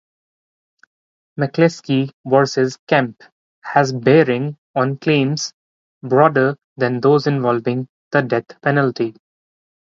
"McCleskey versus Kemp" has bearing on claims broader than those involving the death penalty.